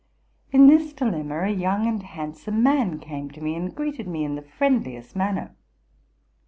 In this dilemma, a young and handsome man came to me, and greeted me in the friendliest manner.